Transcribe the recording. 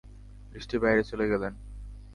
দৃষ্টির বাইরে চলে গেলেন।